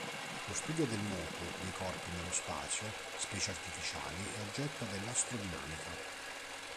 Lo studio del moto dei corpi nello spazio, specie artificiali, è oggetto dell'astrodinamica.